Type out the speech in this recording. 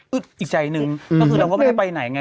อีกใจหนึ่งก็คือเราก็ไม่ได้ไปไหนไง